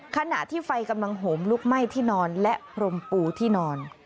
ขณะที่ไฟกำลังโหมลุกไหม้ที่นอนและพรมปูที่นอน